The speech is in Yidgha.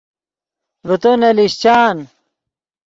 ڤے تو نے لیشچان